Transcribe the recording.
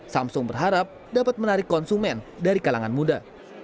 samsung berharap dapat menarik konsumen dari kalangan muda